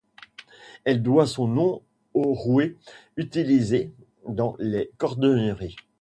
Elle doit son nom au rouet utilisé dans les corderies.